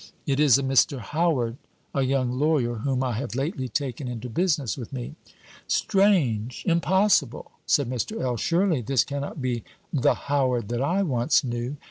"It is a Mr. Howard a young lawyer whom I have lately taken into business with me." "Strange! Impossible!" said Mr. L. "Surely this cannot be the Howard that I once knew."